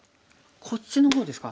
こっちの方ですか？